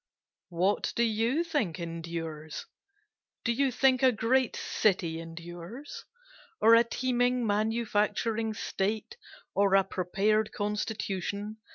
What do you think endures? Do you think a great city endures? Or a teeming manufacturing state? or a prepared constitution?